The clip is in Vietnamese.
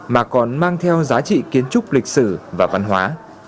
mà còn mang theo giá trị kiến trúc lịch sử và văn hóa